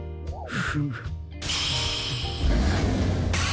フム！